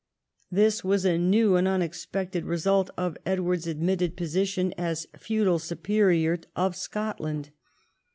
This was a new and unexpected result of Edward's admitted position as feudal superior of Scot land.